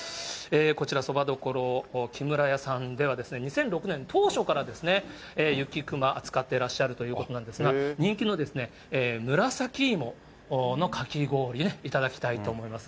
こちら、そば処、木村屋さんでは、２００６年、当初からですね、ゆきくま、扱ってらっしゃるということなんですが、人気の紫芋のかき氷ね、頂きたいと思います。